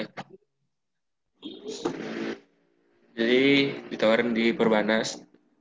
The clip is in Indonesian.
jadi ditawarin di perbanas tapi lewat klub